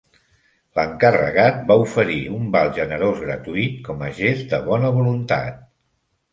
L"encarregat va oferir un val generós gratuït com a gest de bona voluntat.